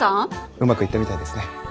うまくいったみたいですね。